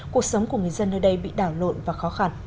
cuộc sống của người dân nơi đây bị đảo lộn và khó khăn